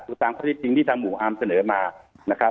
ตามข้อที่จริงที่ทางหมู่อาร์มเสนอมานะครับ